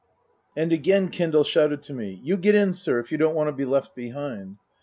And again he shouted to me, " You get in, sir, if you don't want to be left be'ind."